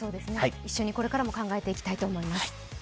一緒にこれからも考えていきたいと思います。